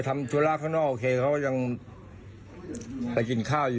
ถ้าจะมาวก็อย่าลืมโซดา